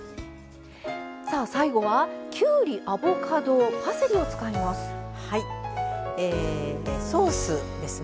最後は、きゅうり、アボカドパセリを使います。